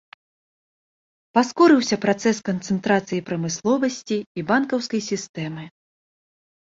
Паскорыўся працэс канцэнтрацыі прамысловасці і банкаўскай сістэмы.